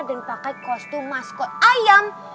pakai kostum maskot ayam